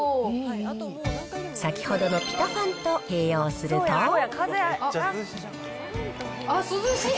先ほどのピタファンと併用すあっ、涼しい。